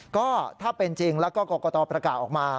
ก็ถ้าเป็นจริงแล้วก็กรกตประกาศออกมา